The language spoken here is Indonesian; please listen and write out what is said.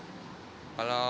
kalau di sekolah